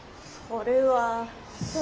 それは？